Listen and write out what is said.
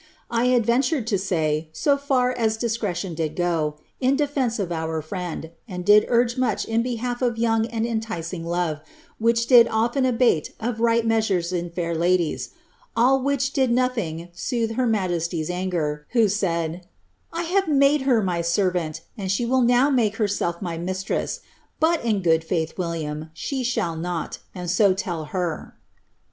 I adventured to say, so kr as discretion did go, in defence of our friend, and did urge much in behalf of youth and enticing love, which did often abate of right mea lores in fair ladies ; all which did nothing soothe her highness' anger, who said, ^ I have made her my servant, and she will now make herself Biy mistress ; but, in good faith, William, she shall not, and so tell her.'"